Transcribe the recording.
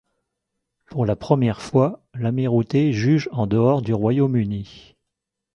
Pour la première fois, l'Amirauté juge en dehors du Royaume-Uni.